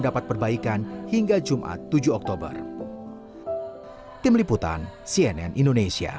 ya apalagi kalau musim hujan gitu